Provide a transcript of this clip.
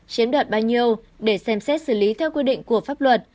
chiếm đoạt bao nhiêu để xem xét xử lý theo quy định của pháp luật